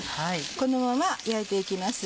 このまま焼いて行きます。